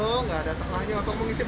tidak ada setelahnya untuk mengisi perut